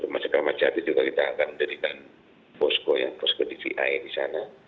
masa masa jadi juga kita akan menjadikan posko yang posko di vae di sana